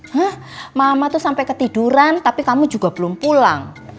hah mama tuh sampai ketiduran tapi kamu juga belum pulang